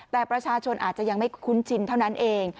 แต่ประชาชนอาจจะยังไม่คุ้นชินเท่านั้นเอง